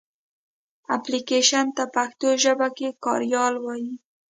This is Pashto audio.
اپلکېشن ته پښتو ژبه کې کاریال وایې.